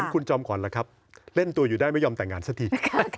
คุณจอมขวัญล่ะครับเล่นตัวอยู่ได้ไม่ยอมแต่งงานสักที